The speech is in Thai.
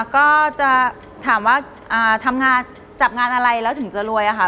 ก็จะถามว่าทำงานจับงานอะไรแล้วถึงจะรวยอะค่ะ